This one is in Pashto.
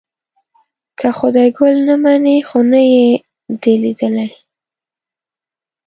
که خدای ګل نه مني خو نه یې دی لیدلی.